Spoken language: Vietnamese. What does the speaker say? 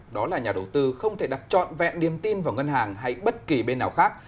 đó là nhà đầu tư không thể đặt trọn vẹn niềm tin vào ngân hàng hay bất kỳ bên nào khác